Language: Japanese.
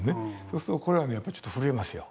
そうするとこれはねやっぱちょっと震えますよ。